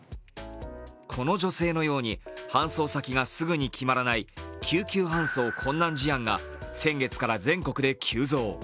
この女性のように搬送先がすぐに決まらない救急搬送困難事案が先月から全国で急増。